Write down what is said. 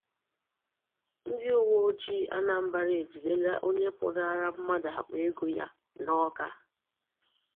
Ndị Uweojii Anambra Ejidela Onye Pụnaara Mmadụ Àkpà Ego Ya n'Awka